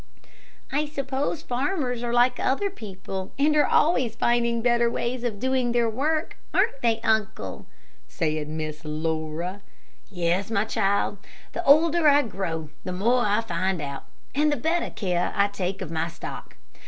"I suppose farmers are like other people, and are always finding out better ways of doing their work, aren't they, uncle?" said Miss Laura. "Yes, my child. The older I grow, the more I find out, and the better care I take of my stock.